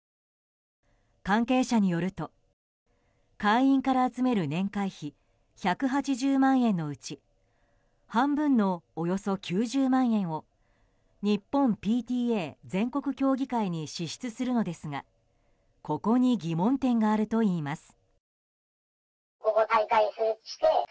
関係者によると、会員から集める年会費１８０万円のうち半分のおよそ９０万円を日本ＰＴＡ全国協議会に支出するのですがここに疑問点があるといいます。